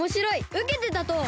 うけてたとう！